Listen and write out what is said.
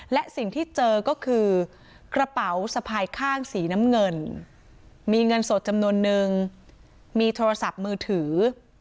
และสิ่งที่เจอก็คือกระเป๋าสะพายข้างสีน้ำเงินมีเงินสดจำนวนนึงมีโทรศัพท์มือถือ